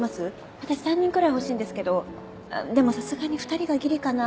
私３人くらい欲しいんですけどでもさすがに２人がギリかな